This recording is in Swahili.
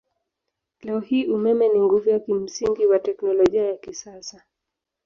Leo hii umeme ni nguvu ya kimsingi wa teknolojia ya kisasa.